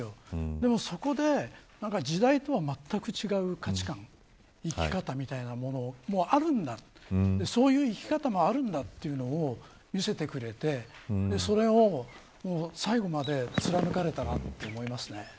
でも、そこで時代とはまったく違う価値感生き方みたいなものもあるんだというそういう生き方もあるんだというのを見せてくれてそれを最後まで貫かれたなと思いますね。